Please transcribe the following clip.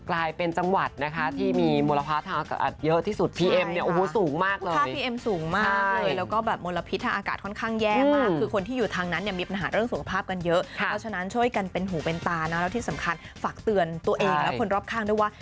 และที่สำคัญฝากเตือนตัวเองและคนรอบข้างด้วยว่า